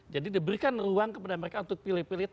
jadi diberikan ruang kepada mereka untuk pilih pilih